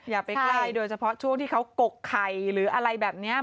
อย่าไปใกล้โดยเฉพาะช่วงที่เขากกไข่หรืออะไรแบบนี้